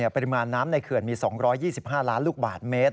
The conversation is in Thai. ปริมาณน้ำในเขื่อนมี๒๒๕ล้านลูกบาทเมตร